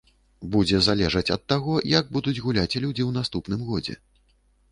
Будзе залежыць ад таго, як будуць гуляць людзі ў наступным годзе.